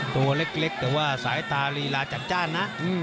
ตัวเล็กแต่ว่าสายตาลีลาจัดจ้านนะ